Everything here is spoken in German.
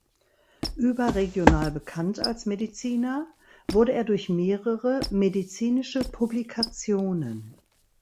Überregional bekannt als Mediziner wurde er durch mehrere medizinische Publikationen.